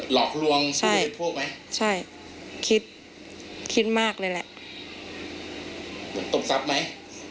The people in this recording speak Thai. หลอกลวงใช่คิดคิดมากเลยแหละตกทับไหม